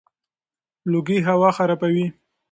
لوګي هوا خرابوي.